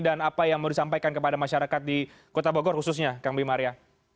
dan apa yang mau disampaikan kepada masyarakat di kota bogor khususnya kang bima arya